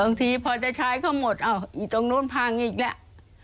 บางทีพอจะใช้เขาหมดอ้าวอยู่ตรงนู้นพังอีกแล้ว